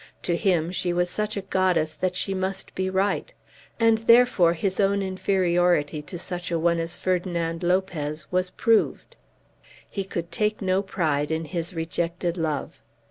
To him she was such a goddess that she must be right, and therefore his own inferiority to such a one as Ferdinand Lopez was proved. He could take no pride in his rejected love.